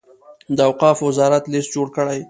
د اوقافو وزارت لست جوړ کړي.